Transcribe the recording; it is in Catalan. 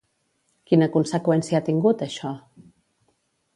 Quina conseqüència ha tingut, això?